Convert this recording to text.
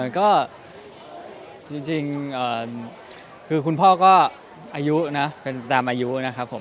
ก็จริงคือคุณพ่อก็อายุนะเป็นตามอายุนะครับผม